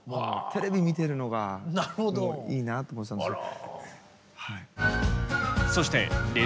テレビ見てるのがいいなと思ってたんですよ。